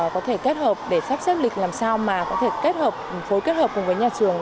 có thể kết hợp để sắp xếp lịch làm sao mà có thể kết hợp phối kết hợp cùng với nhà trường